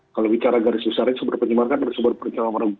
kalau bicara garis besarnya sumber pencemar kan ada sumber pencemaran